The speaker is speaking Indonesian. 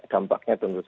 dampaknya tentu saja